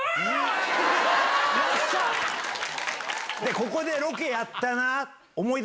「ここでロケやったな」。